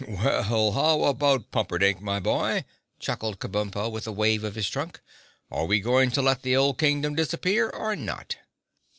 "Well, how about Pumperdink, my boy?" chuckled Kabumpo, with a wave of his trunk. "Are we going to let the old Kingdom disappear or not?"